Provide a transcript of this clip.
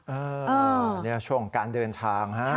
เออนี่ช่วงการเดินทางฮะ